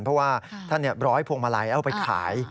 เพราะว่าท่านร้อยพวงมาลัยเอาไปขาย